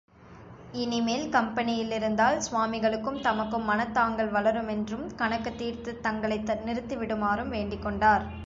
இனிமேல் கம்பெனியிலிருந்தால் சுவாமிகளுக்கும் தமக்கும் மனத் தாங்கல் வளருமென்றும் கணக்குத் தீர்த்துத் தங்களை நிறுத்திவிடுமாறும் வேண்டிக்கொண்டார்.